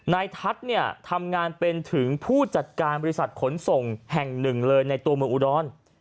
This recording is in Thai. นายทัศน์เนี่ยทำงานเป็นถึงผู้จัดการบริษัทขนส่งแห่งหนึ่งเลยในตัวเมืองอุดร